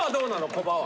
コバは？